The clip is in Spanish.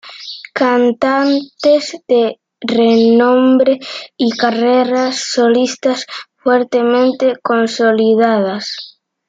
Cantantes de renombre y carreras solistas fuertemente consolidadas.